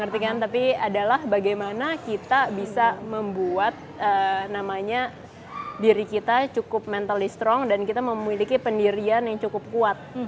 tapi adalah bagaimana kita bisa membuat namanya diri kita cukup mental distrong dan kita memiliki pendirian yang cukup kuat